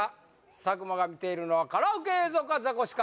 佐久間が見ているのはカラオケ映像かザコシか？